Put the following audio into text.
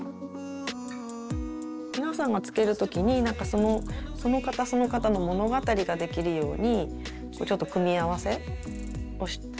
皆さんがつける時になんかそのその方その方の物語ができるようにちょっと組み合わせをして。